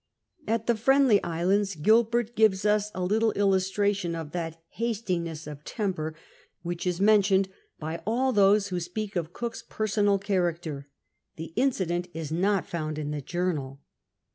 At the Friendly Islands Gilbert gives .us a little illustration of that hastiness of temper which is men tioned by all those who speak of Cook's personal character. The incident is not found in the journal.